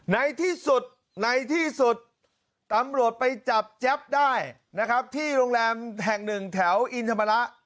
ในที่สุดในที่สุดตำรวจไปจับแจ๊บได้นะครับที่โรงแรมแห่งหนึ่งแถวอินธรรมระ